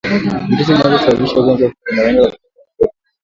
Virusi vinavyosababisha ugonjwa huo vinaweza kubebwa na upepo